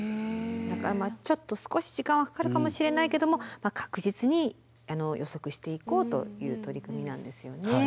だからまあちょっと少し時間はかかるかもしれないけども確実に予測していこうという取り組みなんですよね。